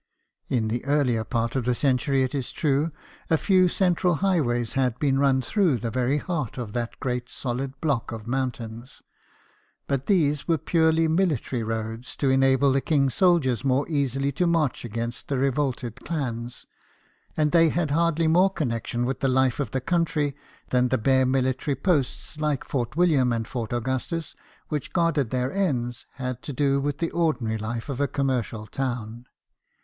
In the earlier part of the century, it is true, a few central highways had been run through the very heart of that great solid block of moun tains ; but these were purely military roads, to enable the king's soldiers more easily to march against the revolted clans, and they had hardly more connection with the life of the country than the bare military posts, like Fort William and Fort Augustus, which guarded their ends, had to do with the ordinary life of a commercial town.